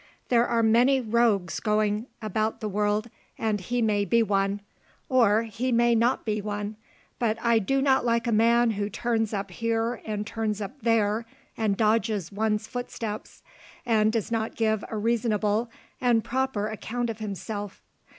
There are many rogues going about the world, and he may be one, or he may not be one; but I do not like a man who turns up here and turns up there, and dodges one's footsteps, and does not give a reasonable and proper account of himself.